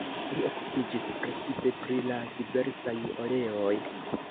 Li okupiĝis precipe pri la diversaj oleoj.